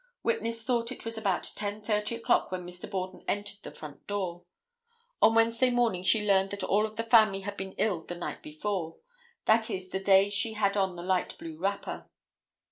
Witness thought it was about 10:30 o'clock when Mr. Borden entered the front door. On Wednesday morning she learned that all of the family had been ill the night before. That is the day she had on the light blue wrapper.